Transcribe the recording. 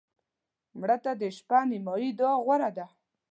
مړه ته د شپه نیمایي دعا غوره ده